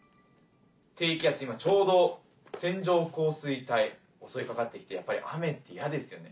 低気圧今ちょうど線状降水帯襲い掛かって来てやっぱり雨って嫌ですよね。